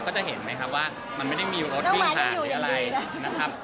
จะเห็นไหมครับว่ามันไม่ได้มีรถวิ่งผ่านหรืออะไรนะครับ